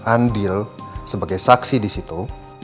andil sebagai saksi disitu